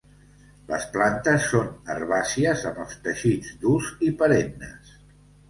Les plantes són herbàcies amb els teixits durs i perennes.